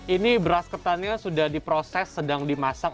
ini beras ketannya sudah diproses sedang dimasak